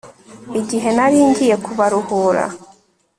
igihe nari ngiye kubaruhura